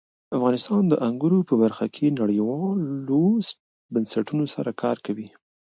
افغانستان د انګور په برخه کې نړیوالو بنسټونو سره کار کوي.